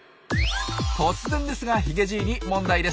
突然ですがヒゲじいに問題です。